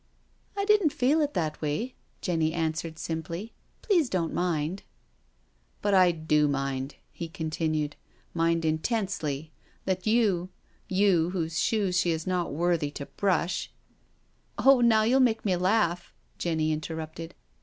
" I didn't feel it that way," Jenny answered simply. " Please don't mind." " But I do mind," he continued, " mind intensely— that you — you whose shoes she is not worthy to brush "" Oh, now you'll make me laugh," Jenny inter rupted.